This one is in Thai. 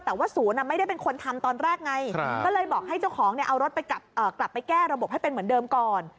แต่ว่าศูนย์ไม่ได้เป็นคนทำตอนแรกไงก็เลยบอกให้เจ้าของเอารถกลับไปแก้ระบบให้เป็นเหมือนเดิมก่อน